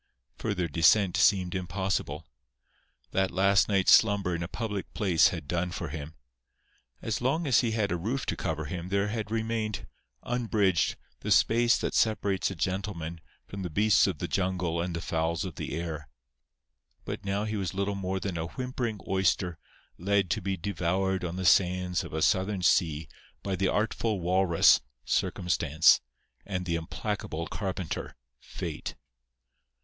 Further descent seemed impossible. That last night's slumber in a public place had done for him. As long as he had had a roof to cover him there had remained, unbridged, the space that separates a gentleman from the beasts of the jungle and the fowls of the air. But now he was little more than a whimpering oyster led to be devoured on the sands of a Southern sea by the artful walrus, Circumstance, and the implacable carpenter, Fate.